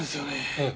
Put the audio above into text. ええ。